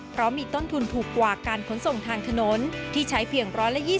เพราะมีต้นทุนถูกกว่าการขนส่งทางถนนที่ใช้เพียง๑๒๐